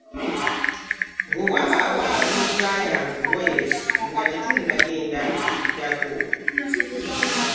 Bwe wabaawo abuuza ayanguwe nga tetunnagenda ku kiddako.